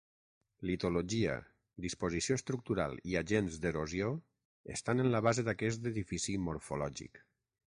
Litologia, disposició estructural i agents d'erosió estan en la base d'aquest edifici morfològic.